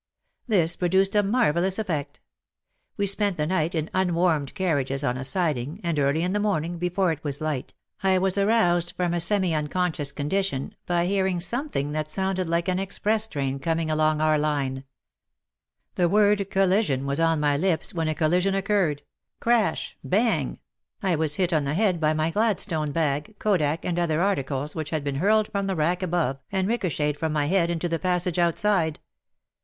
This produced a marvellous effect. We spent the night in unwarmed carriages on a siding, and early in the morning, before it was light, I was aroused from a semi unconscious condition by hearing something that sounded like an express train coming along our line. The word "collision" was on my lips when a collision occurred, — crash — bang — I was hit 14 210 WAR AND WOMEN on the head by my Gladstone bag, kodak, and other articles which had been hurled from the rack above and ricochetted from my head into the passage outside.